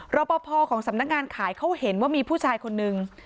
รอปภของสำนักงานขายเขาเห็นว่ามีผู้ชายคนนึง